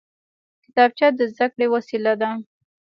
کتابچه د زده کړې وسیله ده